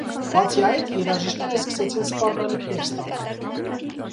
Բացի այդ, երաժիշտները սկսեցին սպառնալիքներ ստանալ։